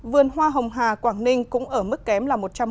vườn hoa hồng hà quảng ninh cũng ở mức kém một trăm một mươi chín